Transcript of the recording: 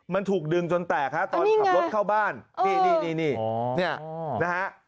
มันถูกดึงจนแตกฮะตอนขับรถเข้าบ้านนี่นี่นี่นี่เนี่ยนะฮะ